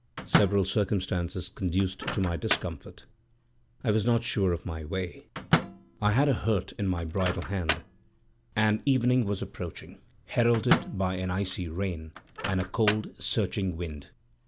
Several circumstances conduced to my discomfort. I was not sure of my way; I had a hurt in my bridle hand, and evening was approaching, heralded by an icy rain and a cold, searching wind.